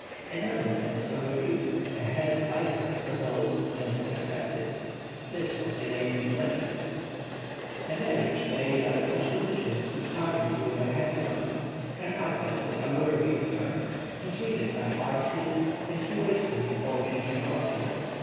An advocate of some repute, a Herr Pfeiffer, proposed and was accepted. This was in 1820. A marriage made under such conditions could hardly prove a happy one. Her husband was unworthy of her. He treated her harshly, and he wasted the fortune she brought him.